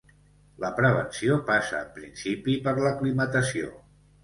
La prevenció passa en principi per l'aclimatació.